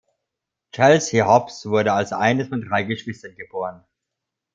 Chelsea Hobbs wurde als eines von drei Geschwistern geboren.